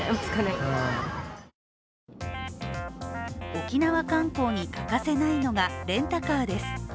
沖縄観光に欠かせないのがレンタカーです。